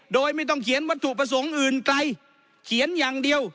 โดยไม่ต้องเขียนวัตถุประสงค์อื่นไกลเขียนอย่างเดียว